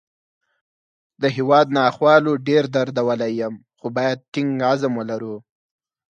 د هیواد ناخوالو ډېر دردولی یم، خو باید ټینګ عزم ولرو